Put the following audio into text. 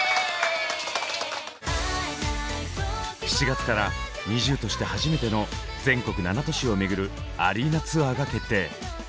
７月からＮｉｚｉＵとして初めての全国７都市を巡るアリーナツアーが決定！